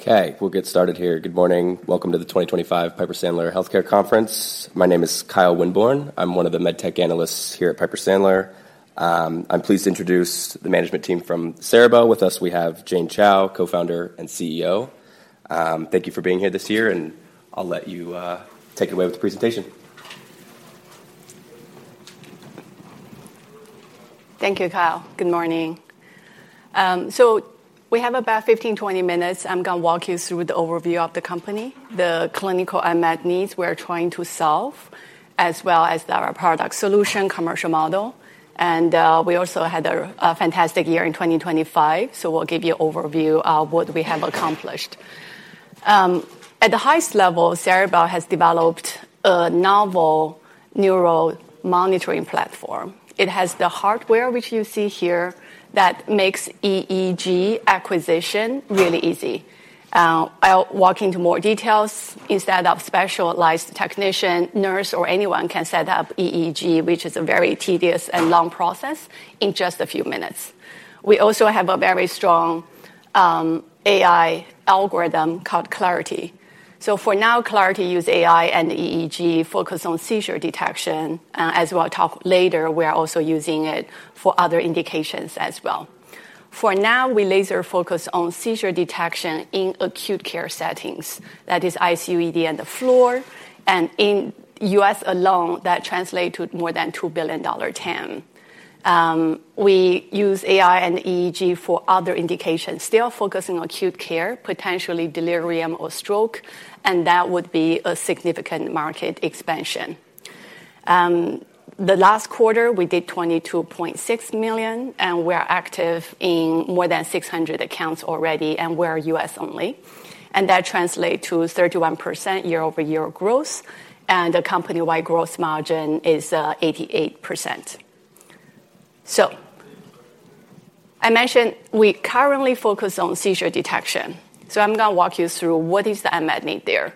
Okay, we'll get started here. Good morning. Welcome to the twenty twenty five Piper Sandler Healthcare Conference. My name is Kyle Winborne. I'm one of the MedTech Analysts here at Piper Sandler. I'm pleased to introduce the management team from Cerebell. With us, we have Jane Chow, Co Founder and CEO. Thank you for being here this year and I'll let you take away with the presentation. Thank you, Kyle. Good morning. So we have about fifteen, twenty minutes. I'm going to walk you through the overview of the company, the clinical unmet needs we're trying to solve, as well as our product solution commercial model. And we also had a fantastic year in 2025. We'll give you overview of what we have accomplished. At the highest level, Cerebell has developed a novel neuro monitoring platform. It has the hardware which you see here that makes EEG acquisition really easy. I'll walk into more details instead of specialized technician, nurse or anyone can set up EEG, which is a very tedious and long process in just a few minutes. We also have a very strong AI algorithm called Clarity. So for now, Clarity use AI and EEG focus on seizure detection. As we'll talk later, we are also using it for other indications as well. For now, we laser focus on seizure detection in acute care settings. That is ICU ED and the floor. And in US alone, that translate to more than $2,000,000,000 TAM. We use AI and EEG for other indications, still focusing on acute care, potentially delirium or stroke, and that would be a significant market expansion. The last quarter, we did 22,600,000 and we're active in more than 600 accounts already and we're US only. And that translate to 31% year over year growth and the company wide gross margin is 88%. So I mentioned we currently focus on seizure detection. So I'm going to walk you through what is the unmet need there.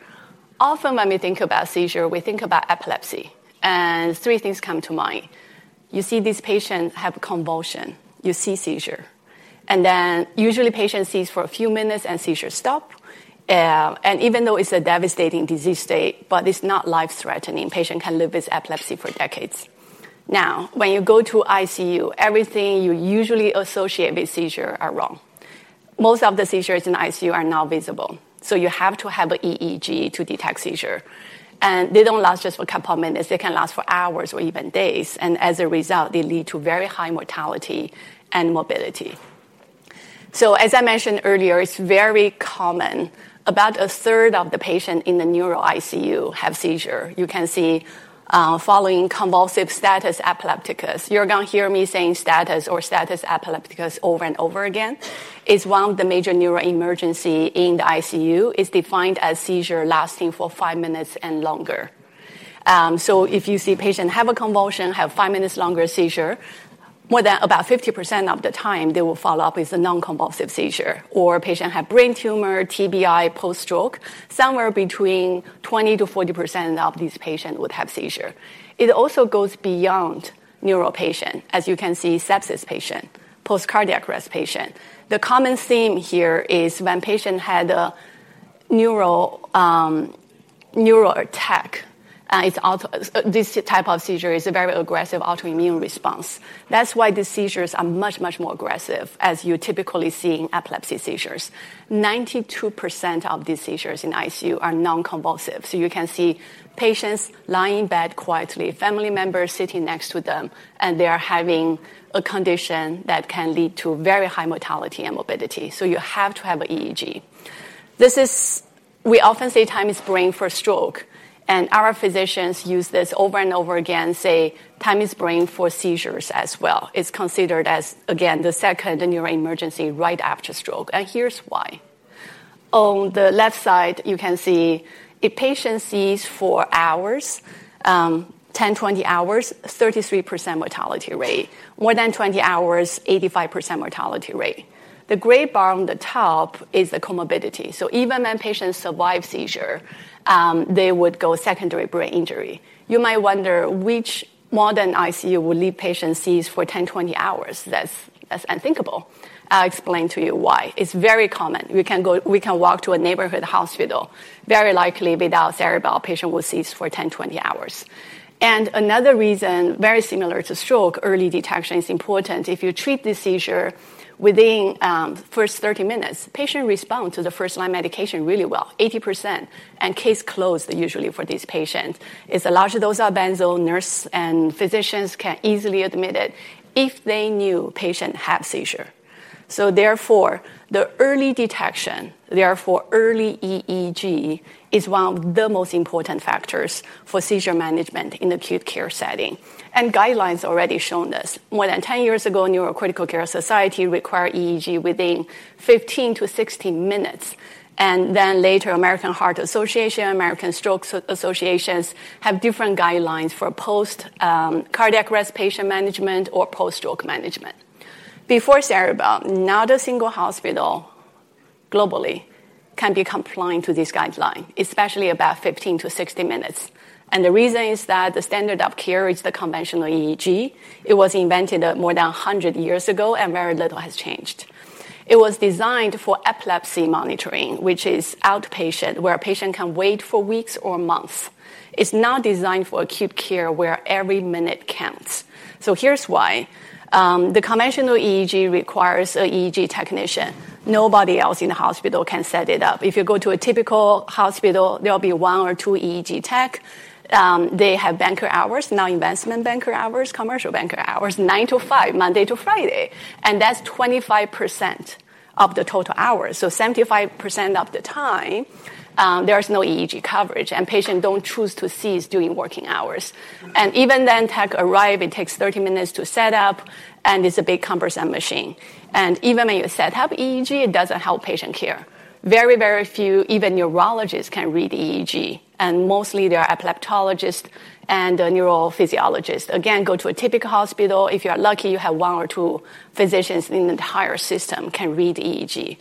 Often when we think about seizure, we think about epilepsy. And three things come to mind. You see these patients have convulsion, you see seizure. And then usually patient sees for a few minutes and seizure stop. And even though it's a devastating disease state, but it's not life threatening. Patient can live with epilepsy for decades. Now, when you go to ICU, everything you usually associate with seizure are wrong. Most of the seizures in ICU are not visible. So you have to have a EEG to detect seizure. And they don't last just for couple of minutes, they can last for hours or even days. And as a result, they lead to very high mortality and mobility. So as I mentioned earlier, it's very common. About a third of the patient in the neuro ICU have seizure. You can see following convulsive status epilepticus, you're going to hear me saying status or status epilepticus over and over again, is one of the major neuro emergency in the ICU is defined as seizure lasting for five minutes and longer. So if you see patient have a convulsion, have five minutes longer seizure, more than about fifty percent of the time they will follow-up with a non convulsive seizure or patient have brain tumor, TBI, post stroke, somewhere between twenty percent to forty percent of these patients would have seizure. It also goes beyond neuro patient, as you can see sepsis patient, post cardiac arrest patient. The common theme here is when patient had a neuro attack, It's this type of seizure is a very aggressive autoimmune response. That's why the seizures are much, much more aggressive as you typically see in epilepsy seizures. Ninety two percent of these seizures in ICU are non convulsive. So you can see patients lying in bed quietly, family members sitting next to them, and they are having a condition that can lead to very high mortality and morbidity. So you have to have EEG. This is, we often say time is brain for stroke. And our physicians use this over and over again, say time is brain for seizures as well. It's considered as again the second neuro emergency right after stroke. And here's why. On the left side, you can see if patient sees for hours, ten, twenty hours, thirty three percent mortality rate. More than twenty hours, eighty five percent mortality rate. The gray bar on the top is the comorbidity. So even when patients survive seizure, they would go secondary brain injury. You might wonder which modern ICU will leave patients seized for ten, twenty hours. That's unthinkable. I'll explain to you why. It's very common. We can walk to a neighborhood hospital, very likely without cerebellar patient will cease for ten, twenty hours. And another reason very similar to stroke, early detection is important. If you treat this seizure within first thirty minutes, patient respond to the first line medication really well, eighty percent and case closed usually for these patients. It's a large dose of benzos, nurse and physicians can easily admit it if they knew patient have seizure. So therefore, the early detection, therefore early EEG is one of the most important factors for seizure management in acute care setting. And guidelines already shown this. More than ten years ago, Neuro Critical Care Society required EEG within fifteen to sixteen minutes. And then later American Heart Association, American Stroke Associations have different guidelines for post cardiac arrest patient management or post stroke management. Before Cerebell, not a single hospital globally can be complying to this guideline, especially about fifteen to sixty minutes. And the reason is that the standard of care is the conventional EEG. It was invented more than one hundred years ago and very little has changed. It was designed for epilepsy monitoring, which is outpatient, where a patient can wait for weeks or months. It's not designed for acute care where every minute counts. So here's why. The conventional EEG requires a EEG technician. Nobody else in the hospital can set it up. If you go to a typical hospital, there'll be one or two EEG tech. They have banker hours, non investment banker hours, commercial banker hours, nine to five, Monday to Friday. And that's 25% of the total hours. So 75% of the time, there is no EEG coverage and patient don't choose to cease doing working hours. And even then tech arrive, it takes thirty minutes to set up, and it's a big cumbersome machine. And even when you set up EEG, it doesn't help patient care. Very, very few, even neurologists can read EEG, and mostly they are epileptologist and neurophysiologists. Again, go to a typical hospital. If you are lucky, you have one or two physicians in the entire system can read EEG.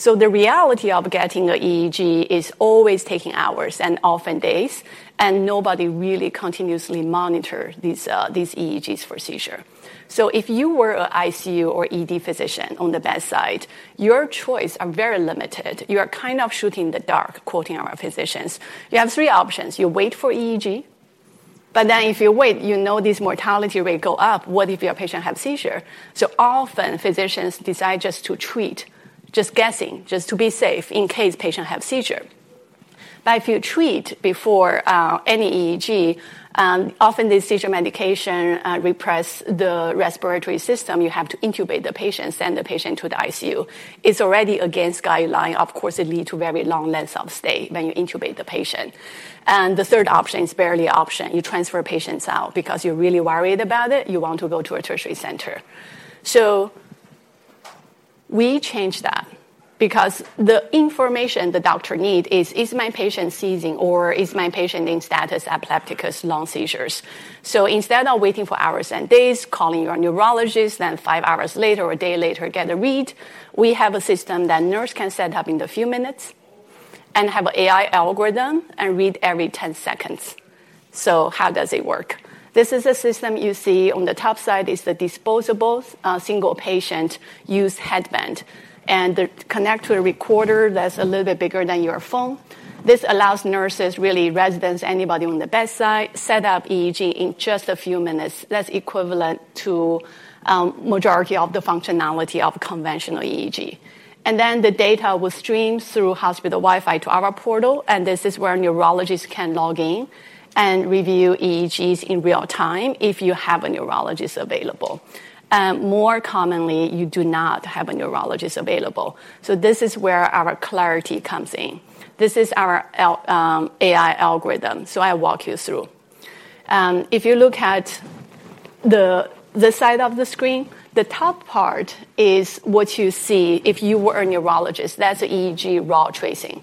So the reality of getting a EEG is always taking hours and often days, and nobody really continuously monitor these EEGs for seizure. So if you were a ICU or ED physician on the bedside, your choice are very limited. You are kind of shooting the dark quoting our physicians. Have three options. You wait for EEG, but then if you wait, you know this mortality rate go up. What if your patient have seizure? So often physicians decide just to treat, just guessing, just to be safe in case patient have seizure. But if you treat before any EEG, often this seizure medication repress the respiratory system, you have to intubate the patient, send the patient to the ICU. It's already against guideline, of course, it lead to very long length of stay when you intubate the patient. And the third option is barely option, you transfer patients out because you're really worried about it, you want to go to a tertiary center. So we changed that because the information the doctor need is, is my patient seizing or is my patient in status epilepticus lung seizures. So instead of waiting for hours and days, calling your neurologist, then 5 later or a day later get a read. We have a system that nurse can set up in a few minutes and have AI algorithm and read every ten seconds. So how does it work? This is a system you see on the top side is the disposable single patient use headband. And they connect to a recorder that's a little bit bigger than your phone. This allows nurses, really residents, anybody on the bedside set up EEG in just a few minutes. That's equivalent to majority of the functionality of conventional EEG. And then the data will stream through hospital WiFi to our portal, and this is where neurologists can log in and review EEGs in real time if you have a neurologist available. More commonly, you do not have a neurologist available. So this is where our clarity comes in. This is our AI algorithm. So I walk you through. If you look at the the side of the screen, the top part is what you see if you were a neurologist. That's EEG raw tracing.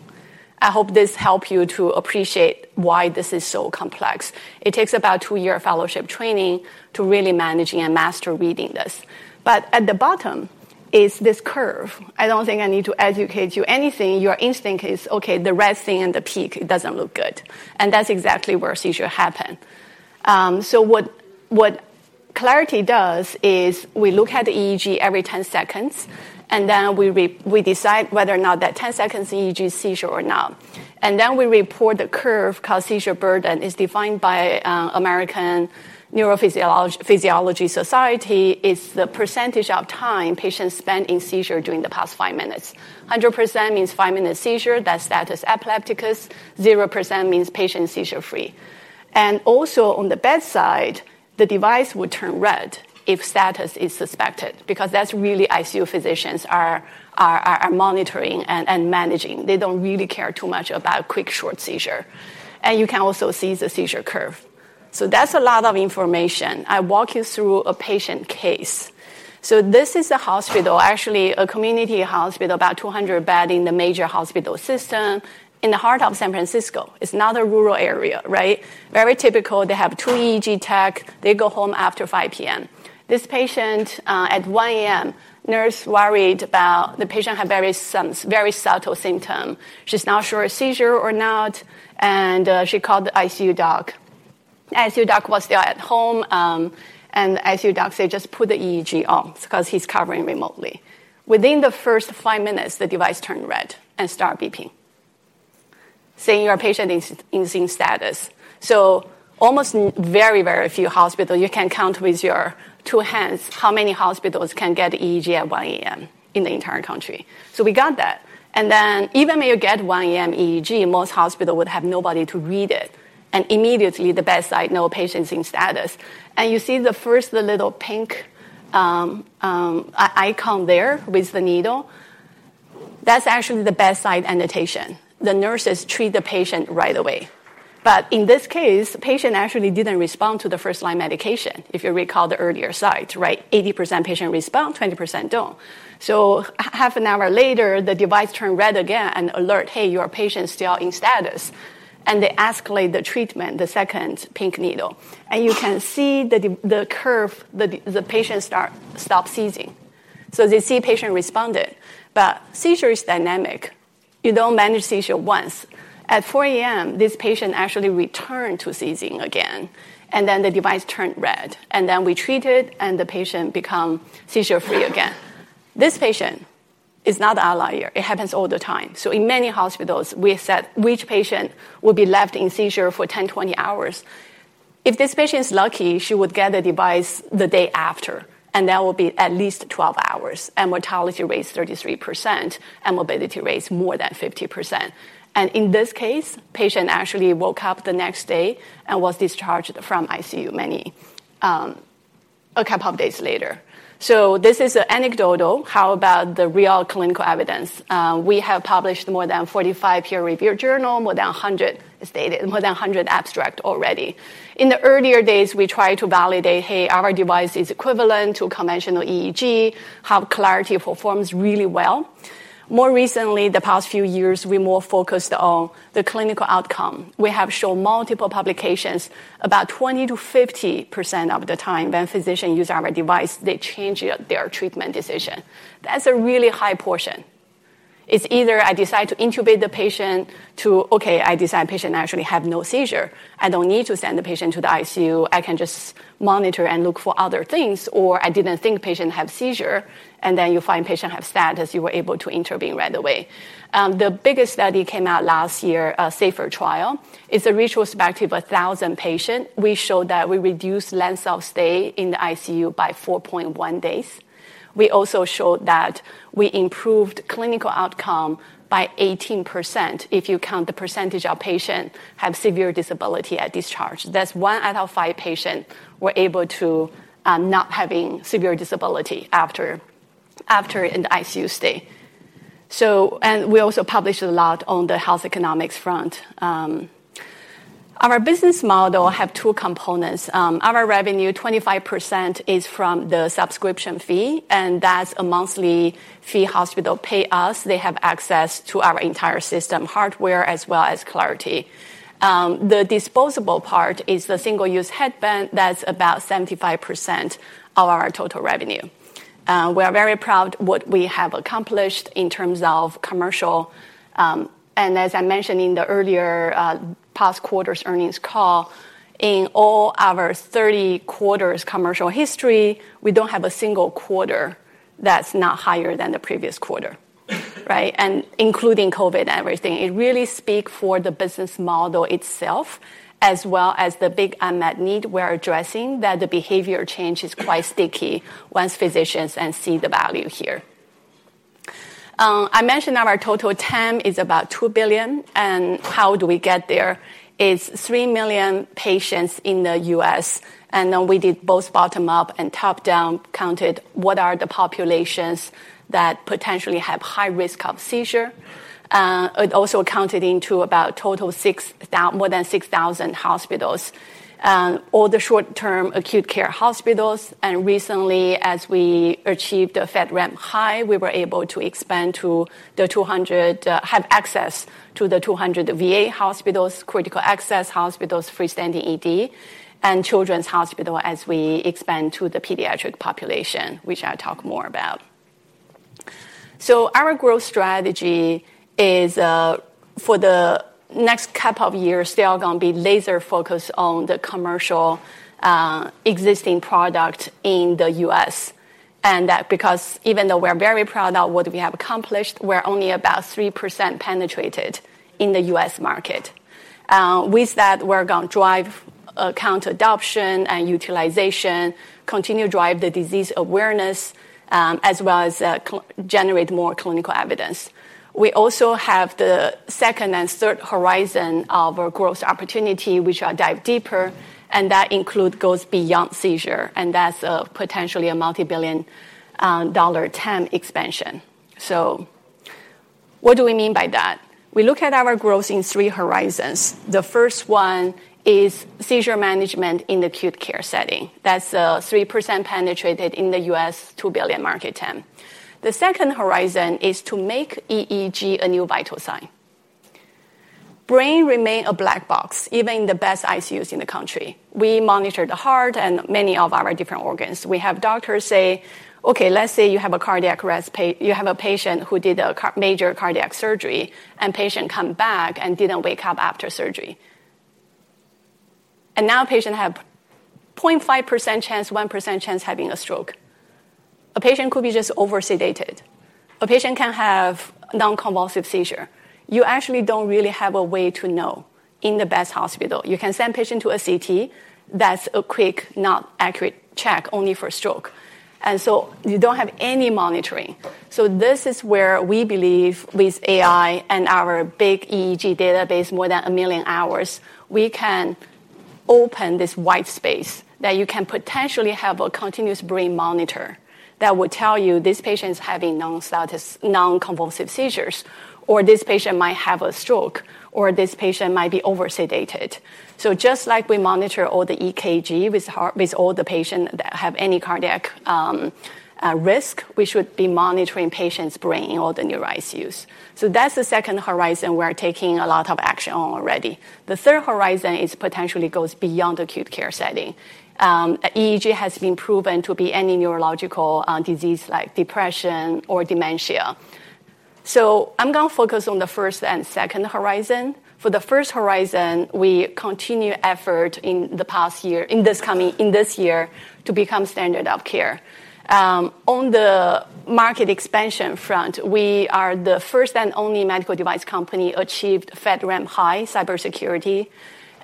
I hope this help you to appreciate why this is so complex. It takes about two year fellowship training to really managing and master reading this. But at the bottom is this curve. I don't think I need to educate you anything. Your instinct is, okay, the red thing and the peak doesn't look good. And that's exactly where seizure happen. So what what Clarity does is we look at the EEG every ten seconds, and then we decide whether or not that ten seconds EEG is seizure or not. And then we report the curve called seizure burden is defined by American Neurophysiology Society is the percentage of time patients spend in seizure during the past five minutes. Hundred percent means five minute seizure, that status epilepticus. Zero percent means patient seizure free. And also on the bedside, the device would turn red if status is suspected because that's really ICU physicians are are are monitoring and and managing. They don't really care too much about quick short seizure. And you can also see the seizure curve. So that's a lot of information. I walk you through a patient case. So this is a hospital, actually a community hospital, about 200 bed in the major hospital system in the heart of San Francisco. It's not a rural area. Right? Very typical. They have two EEG tech. They go home after 5PM. This patient at 1AM, nurse worried about the patient had very some very subtle symptom. She's not sure of seizure or not, and she called the ICU doc. The ICU doc was still at home, and ICU doc said just put the EEG on because he's covering remotely. Within the first five minutes, the device turned red and start beeping, Saying your patient is in sync status. So almost very, very few hospitals you can count with your two hands how many hospitals can get EEG at 1AM in the entire country. So we got that. And then even when you get one AM EEG, most hospital would have nobody to read it. And immediately, the bedside no patients in status. And you see the first little pink icon there with the needle. That's actually the best site annotation. The nurses treat the patient right away. But in this case, patient actually didn't respond to the first line medication, if you recall the earlier site, Eighty percent patient respond, twenty percent don't. So half an hour later, the device turned red again and alert, hey, your patient's still in status. And they escalate the treatment, the second pink needle. And you can see the curve, the patient stopped seizing. So they see patient responded, but seizure is dynamic. You don't manage seizure once. At 4AM, this patient actually returned to seizing again, and then the device turned red. And then we treated and the patient become seizure free again. This patient is not outlier. It happens all the time. So in many hospitals, we set which patient will be left in seizure for ten, twenty hours. If this patient is lucky, she would get a device the day after, and that will be at least twelve hours, and mortality rate is thirty three percent, and mobility rate is more than fifty percent. And in this case, patient actually woke up the next day and was discharged from ICU many a couple of days later. So this is anecdotal. How about the real clinical evidence? We have published more than 45 peer reviewed journal, more than 100 abstract already. In the earlier days, we try to validate, hey, our device is equivalent to conventional EEG, how clarity performs really well. More recently, the past few years, we more focused on the clinical outcome. We have shown multiple publications, about twenty to fifty percent of the time when physician use our device, they change their treatment decision. That's a really high portion. It's either I decide to intubate the patient to, okay, I decide patient actually have no seizure. I don't need to send the patient to the ICU. I can just monitor and look for other things or I didn't think patient have seizure. And then you find patient have status, you were able to intervene right away. The biggest study came out last year, SAFR trial. It's a retrospective of 1,000 patient. We showed that we reduced length of stay in the ICU by four point one days. We also showed that we improved clinical outcome by eighteen percent if you count the percentage of patient have severe disability at discharge. That's one out of five patient were able to not having severe disability after after in the ICU stay. So and we also published a lot on the health economics front. Our business model have two components. Our revenue 25% is from the subscription fee and that's a monthly fee hospital pay us. They have access to our entire system hardware as well as clarity. The disposable part is the single use headband that's about 75% of our total revenue. We are very proud what we have accomplished in terms of commercial. And as I mentioned in the earlier past quarter's earnings call, in all our 30 commercial history, we don't have a single quarter that's not higher than the previous quarter. Right? And including COVID and everything, it really speak for the business model itself, as well as the big unmet need we're addressing that the behavior change is quite sticky once physicians see the value here. I mentioned our total TAM is about 2,000,000,000 and how do we get there? It's three million patients in The US and then we did both bottom up and top down counted what are the populations that potentially have high risk of seizure. It also accounted into about total 6,000 more than 6,000 hospitals. All the short term acute care hospitals and recently as we achieved a FedRAMP high, we were able to expand to the 200 have access to the 200 VA hospitals, critical access hospitals, freestanding ED, and children's hospital as we expand to the pediatric population, which I'll talk more about. So our growth strategy is for the next couple of years, they are going to be laser focused on the commercial existing product in The US. And that because even though we're very proud of what we have accomplished, we're only about 3% penetrated in The US market. With that, we're going to drive account adoption and utilization, continue to drive the disease awareness as well as generate more clinical evidence. We also have the second and third horizon of our growth opportunity, which I'll dive deeper, and that include goes beyond seizure, and that's potentially a multibillion dollar TAM expansion. So what do we mean by that? We look at our growth in three horizons. The first one is seizure management in the acute care setting. That's three percent penetrated in The US, 2,000,000,000 market TAM. The second horizon is to make EEG a new vital sign. Brain remain a black box, even in the best ICUs in the country. We monitor the heart and many of our different organs. We have doctors say, okay, let's say you have a cardiac arrest, you have a patient who did a major cardiac surgery and patient come back and didn't wake up after surgery. And now patient have zero point five percent chance, one percent chance having a stroke. A patient could be just over sedated. A patient can have non convulsive seizure. You actually don't really have a way to know in the best hospital. You can send patient to a CT, that's a quick not accurate check only for stroke. And so you don't have any monitoring. So this is where we believe with AI and our big EEG database more than a million hours. We can open this white space that you can potentially have a continuous brain monitor that would tell you this patient's having nonconvulsive seizures, or this patient might have a stroke, or this patient might be over sedated. So just like we monitor all the EKG with all the patients that have any cardiac risk, we should be monitoring patients' brain in all the neuritis use. So that's the second horizon we are taking a lot of action on already. The third horizon is potentially goes beyond acute care setting. EEG has been proven to be any neurological disease like depression or dementia. So I'm going focus on the first and second horizon. For the first horizon, we continue effort in the past year, in this coming, in this year to become standard of care. On the market expansion front, we are the first and only medical device company achieved FedRAMP high cybersecurity.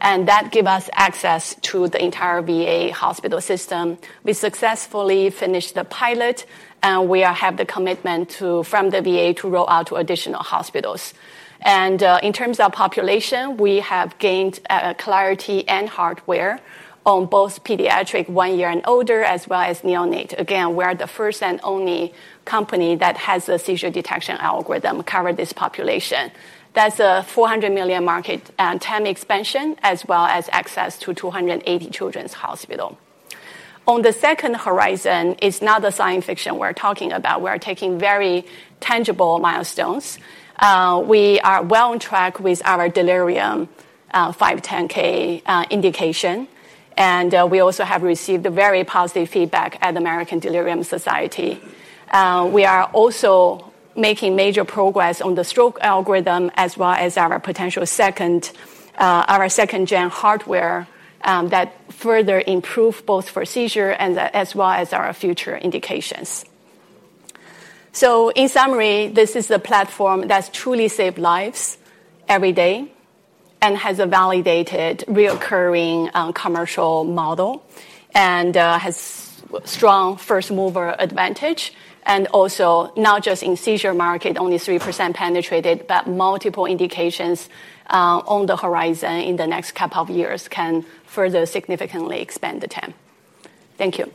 And that give us access to the entire VA hospital system. We successfully finished the pilot and we have the commitment from the VA to roll out to additional hospitals. And in terms of population, we have gained clarity and hardware on both pediatric one year and older, as well as neonate. Again, we are the first and only company that has a seizure detection algorithm covered this population. That's a 400,000,000 market TAM expansion as well as access to two eighty children's hospital. On the second horizon, it's not a science fiction we're talking about. We are taking very tangible milestones. We are well on track with our delirium five ten k indication. And we also have received a very positive feedback at American Delirium Society. We are also making major progress on the stroke algorithm as well as our potential second second gen hardware that further improve both for seizure and as well as our future indications. So in summary, this is a platform that's truly saved lives every day and has a validated reoccurring commercial model and has strong first mover advantage And also not just in seizure market, only 3% penetrated, but multiple indications on the horizon in the next couple of years can further significantly expand the TAM. Thank you.